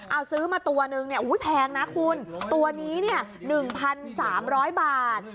เอาซื้อมาตัวนึงเนี่ยแพงนะคุณตัวนี้เนี่ย๑๓๐๐บาท